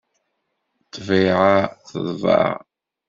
Ṭṭbiɛa teḍbeɛ.